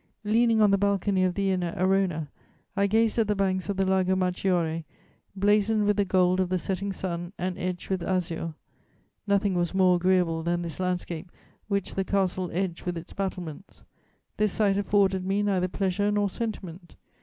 Leaning on the balcony of the inn at Arona, I gazed at the banks of the Lago Maggiore, blazoned with the gold of the setting sun and edged with azure. Nothing was more agreeable than this landscape, which the Castle edged with its battlements. This sight afforded me neither pleasure nor sentiment.